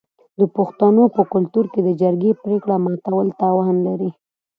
د پښتنو په کلتور کې د جرګې پریکړه ماتول تاوان لري.